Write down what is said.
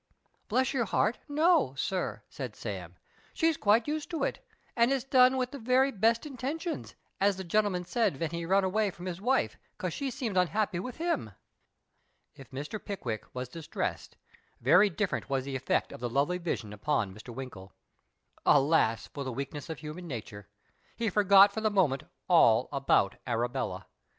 Bless your heart, no, sir," said Sam, " she's quite used to it, and it's done with the very best intentions, as the gcn'l'man said ven he run away from his wife, 'cos she seemed unhappy with him." If Mr. Pickwick was distressed, very different was the effect of the lovely vision upon Mr. Winkle. Alas for the weakness of human nature ! he forgot for the moment all about Arabella.